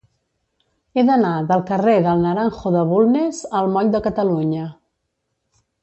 He d'anar del carrer del Naranjo de Bulnes al moll de Catalunya.